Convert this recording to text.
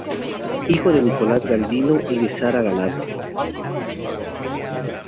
Hijo de Nicolás Galindo y de Sara Galarza.